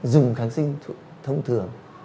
dùng kháng sinh thông thường